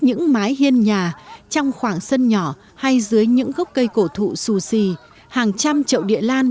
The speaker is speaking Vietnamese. những mái hiên nhà trong khoảng sân nhỏ hay dưới những gốc cây cổ thụ xù xì hàng trăm trậu địa lan